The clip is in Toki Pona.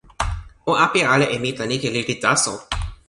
o apeja ala e mi tan ike lili taso!